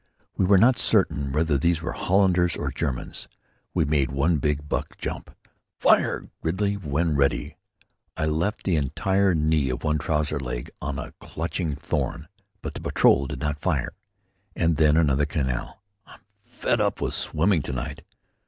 We were not certain whether these were Hollanders or Germans. We made one big buck jump. "Fire, Gridley, when ready!" I left the entire knee of one trouser leg on a clutching thorn. But the patrol did not fire. And then another canal. "I'm fed up with swimming to night."